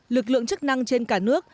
lực lượng chức năng trên cả nước